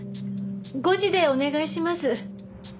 ５時でお願いします。